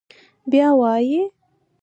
بيا وايي: